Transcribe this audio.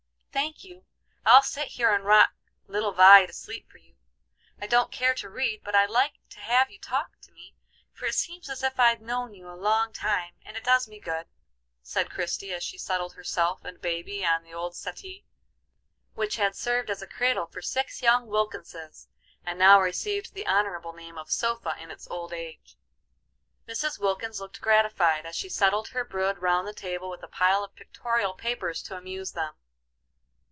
"Thank you; I'll sit here and rock little Vie to sleep for you. I don't care to read, but I'd like to have you talk to me, for it seems as if I'd known you a long time and it does me good," said Christie, as she settled herself and baby on the old settee which had served as a cradle for six young Wilkinses, and now received the honorable name of sofa in its old age. Mrs. Wilkins looked gratified, as she settled her brood round the table with a pile of pictorial papers to amuse them.